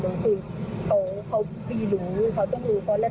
คือก็มีการไปตามไปสอบกันไปเจอกันไปอะไรอย่างนี้